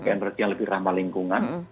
ke energi yang lebih ramah lingkungan